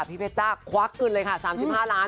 พี่เพชรจ้ากควักกึนเลยค่ะ๓๕ล้าน